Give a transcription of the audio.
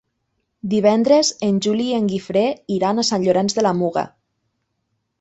Divendres en Juli i en Guifré iran a Sant Llorenç de la Muga.